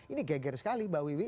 ini geger sekali mbak wiwi